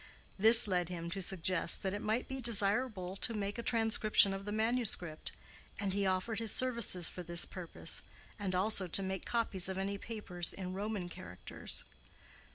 This led him to suggest that it might be desirable to make a transcription of the manuscript, and he offered his services for this purpose, and also to make copies of any papers in Roman characters.